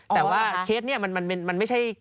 แต่ว่าเคสนี้มันไม่ใช่